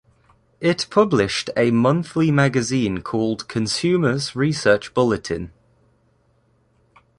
It published a monthly magazine called "Consumers' Research Bulletin".